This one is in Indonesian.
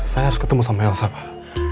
saya harus ketemu sama elsa pak